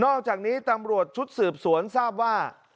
อกจากนี้ตำรวจชุดสืบสวนทราบว่า